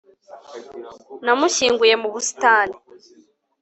Namushyinguye mu busitani